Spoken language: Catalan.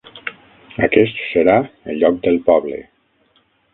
Aquest serà el lloc pel poble.